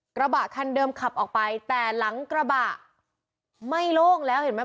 กระบะคันเดิมขับออกไปแต่หลังกระบะไม่โล่งแล้วเห็นไหม